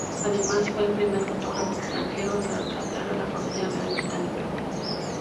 Además, fue el primer fotógrafo extranjero en retratar a la Familia Real Británica.